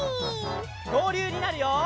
きょうりゅうになるよ！